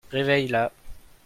Réveille-la.